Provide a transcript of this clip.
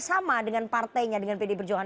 sama dengan partainya dengan pd berjohan